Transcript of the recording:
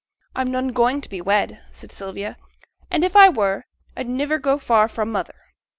'I'm none going to be wed,' said Sylvia; 'and if I were, I'd niver go far fra' mother.'